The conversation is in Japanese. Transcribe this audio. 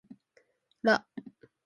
ら